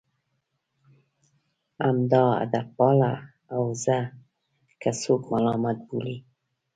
همدا ادبپاله حوزه که څوک ملامت بولي.